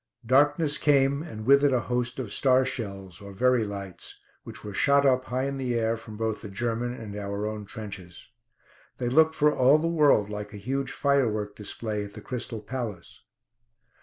Darkness came, and with it a host of star shells, or Verey lights, which were shot up high in the air from both the German and our own trenches. They looked for all the world like a huge firework display at the Crystal Palace.